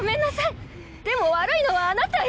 でも悪いのはあなたよ。